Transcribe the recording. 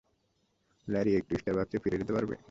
Larry, একটু স্টারবাকসে ফিরে যেতে পারবে?